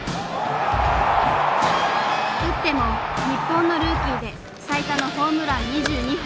打っても日本のルーキーで最多のホームラン２２本。